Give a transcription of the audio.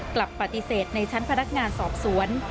กลับปฏิเสธในชั้นพนักงานสอบสวน